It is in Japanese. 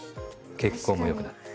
血行も良くなる。